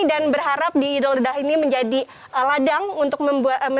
dan berharap di ido ladha ini menjadi ladang untuk membuat